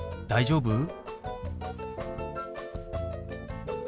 「大丈夫？」。